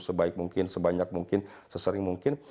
sebaik mungkin sebanyak mungkin sesering mungkin